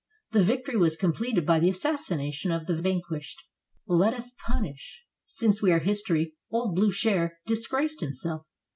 The victory was completed by the assassination of the vanquished. Let us punish, since we are history; old Bliicher dis graced himself.